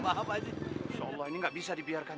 pak haji insya allah ini gak bisa dibiarkan